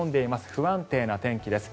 不安定な天気です。